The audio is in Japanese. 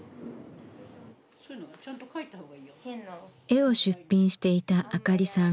絵を出品していたあかりさん。